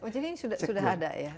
oh jadi ini sudah ada ya